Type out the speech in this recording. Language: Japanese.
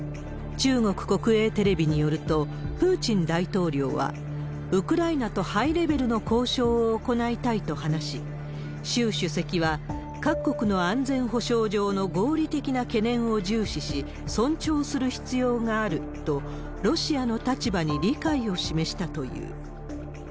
中国国営テレビによると、プーチン大統領は、ウクライナとハイレベルの交渉を行いたいと話し、習主席は、各国の安全保障上の合理的な懸念を重視し、尊重する必要があると、ロシアの立場に理解を示したという。